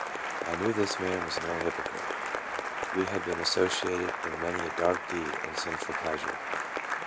I knew this man was no hypocrite. We had been asso ciated in many a dark deed and sinful pleas ure.